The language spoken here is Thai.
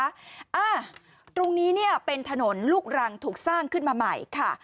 อ่าตรงนี้เนี่ยเป็นถนนลูกรังถูกสร้างขึ้นมาใหม่ค่ะ